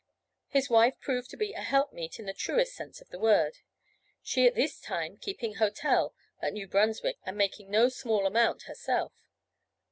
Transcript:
His wife proved to be a helpmeet in the truest sense of the word, she at this time keeping hotel at New Brunswick and making no small amount herself.